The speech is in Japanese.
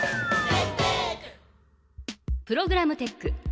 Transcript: プログラムテック。